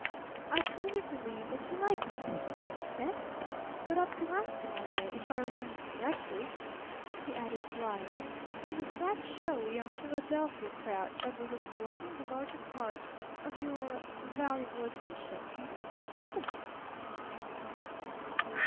I truly believe that you like me! Eh? But up to last Monday, if I remember correctly," he added drily, "it was that showy young Philadelphia crowd that was absorbing the larger part of your valuable attention? Eh? Wasn't it?"